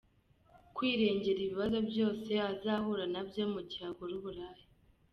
kwirengera ibibazo byose azahura nabyo mu gihe akora uburaya .